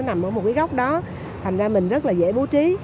nằm ở một cái góc đó thành ra mình rất là dễ bố trí